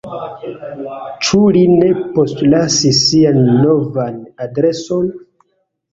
Ĉu li ne postlasis sian novan adreson?